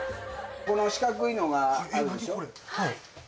この四角いのがあるでしょ。